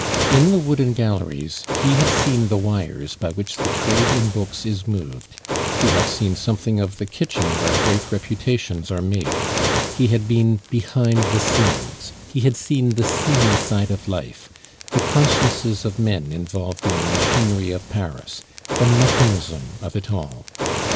In the Wooden Galleries he had seen the wires by which the trade in books is moved; he has seen something of the kitchen where great reputations are made; he had been behind the scenes; he had seen the seamy side of life, the consciences of men involved in the machinery of Paris, the mechanism of it all.